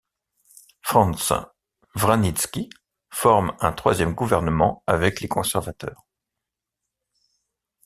Franz Vranitzky forme un troisième gouvernement avec les conservateurs.